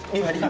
đi về đi